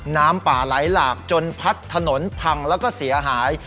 น้ำป่าไหลหลากจนพัดถนนพังแล้วก็เสียหาย